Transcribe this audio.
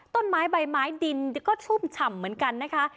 ต้นไม้ใบไม้ดินก็ชุ่มฉ่ำเหมือนกันนะคะ